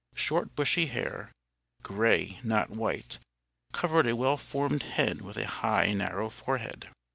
Short bushy hair, gray, not white, covered a well formed head with a high narrow forehead.